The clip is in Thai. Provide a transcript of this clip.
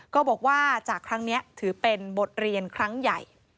ก็บอกว่าจากครั้งนี้ถือเป็นบทเรียนครั้งใหญ่